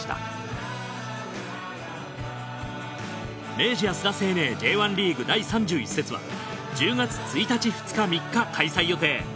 明治安田生命Ｊ１リーグ第３１節は１０月１日２日３日開催予定。